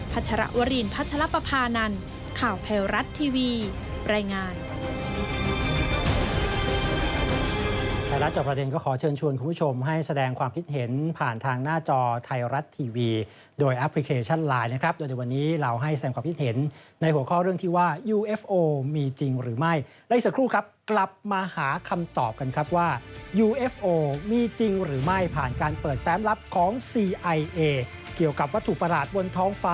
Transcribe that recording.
ัชรวรินพัชรปภานันข่าวไทยรัฐทีวีรายงาน